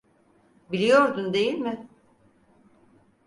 Biliyordun, değil mi?